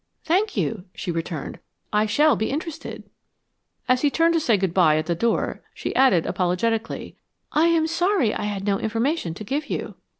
"Thank you," she returned. "I shall be interested." As he turned to say good bye at the door, she added, apologetically, "I am sorry I had no information to give you."